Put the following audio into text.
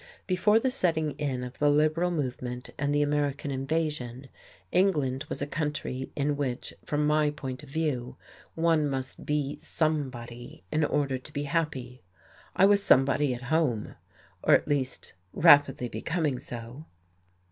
Before the setting in of the Liberal movement and the "American invasion" England was a country in which (from my point of view) one must be "somebody" in order to be happy. I was "somebody" at home; or at least rapidly becoming so....